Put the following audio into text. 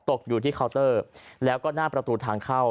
ตกอยู่ที่เคาน์เตอร์แล้วก็หน้าประตูทางเข้า